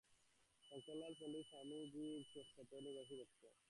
শঙ্করলাল, পণ্ডিত স্বামীজীর খেতড়ি-নিবাসী ভক্ত।